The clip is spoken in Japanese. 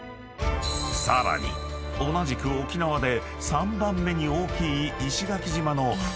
［さらに同じく沖縄で３番目に大きい石垣島の］